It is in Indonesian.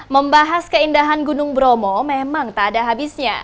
membahas keindahan gunung bromo memang tak ada habisnya